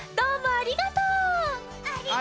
ありがとち！